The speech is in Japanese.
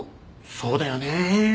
そうだよね。